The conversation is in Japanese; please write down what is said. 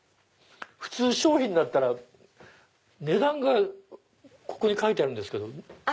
普通商品だったら値段がここに書いてあるんですけど。